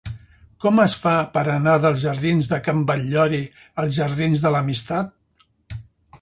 Com es fa per anar dels jardins de Can Batllori als jardins de l'Amistat?